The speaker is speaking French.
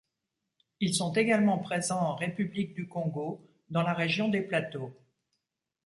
Ils sont également présents en République du Congo dans la région des Plateaux.